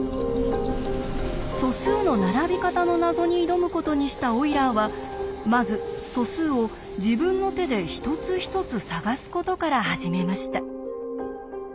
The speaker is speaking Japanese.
素数の並び方の謎に挑むことにしたオイラーはまず素数を自分の手で一つ一つ探すことから始めました。